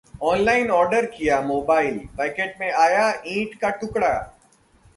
online order किया mobile, packet में आया ईंट का टुकड़ा